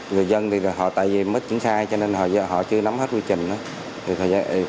người dân thì họ tại vì mất triển khai cho nên họ chưa nắm hết quy trình